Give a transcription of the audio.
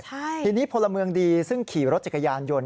ทีนี้พลเมืองดีซึ่งขี่รถจักรยานยนต์